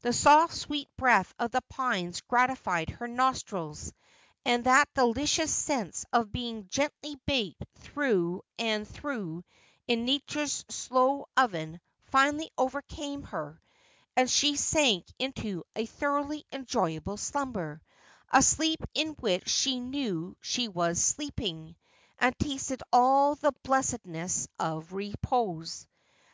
The soft sweet breath of the pines gratified her nostrils, and that delicious sense of being gently baked through and through in Nature's slow oven finally overcame her, and she sank into a thoroughly enjoyable slumber, a sleep in which she knew she was sleeping, and tasted all the blessedness of repose.